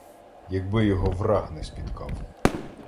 Якби його враг не спіткав.